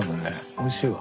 おいしいわ。